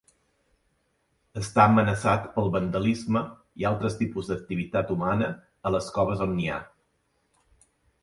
Està amenaçat pel vandalisme i altres tipus d'activitat humana a les coves on nia.